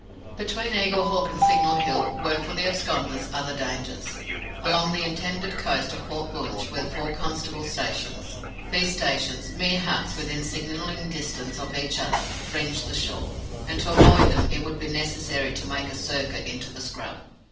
Between Eaglehawk and Signal Hill were, for the absconders, other dangers. Along the indented coast of Port Bunche were four constables' stations. These stations mere huts within signalling distance of each other fringed the shore, and to avoid them it would be necessary to make a circuit into the scrub.